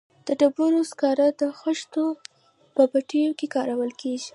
د ډبرو سکاره د خښتو په بټیو کې کارول کیږي